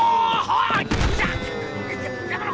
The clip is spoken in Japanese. やめろ！